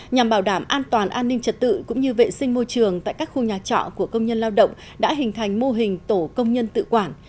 nhằm bảo đảm an toàn an ninh trật tự cũng như vệ sinh môi trường tại các khu nhà trọ của công nhân lao động đã hình thành mô hình tổ công nhân tự quản